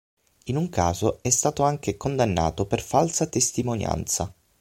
In un caso è stato anche condannato per falsa testimonianza.